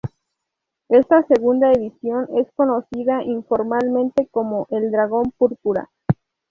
Esta segunda edición es conocida informalmente como el dragón púrpura.